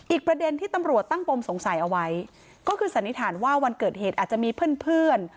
ประเด็นที่ตำรวจตั้งปมสงสัยเอาไว้ก็คือสันนิษฐานว่าวันเกิดเหตุอาจจะมีเพื่อน